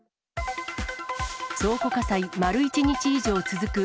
倉庫火災、丸１日以上続く。